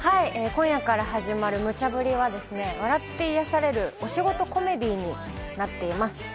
今夜から始まる『ムチャブリ！』は笑って癒やされるお仕事コメディーになっています。